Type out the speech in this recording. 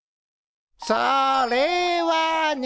それはね。